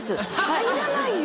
入らないよ。